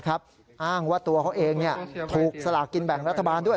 อ้างว่าตัวเขาเองถูกสลากกินแบ่งรัฐบาลด้วย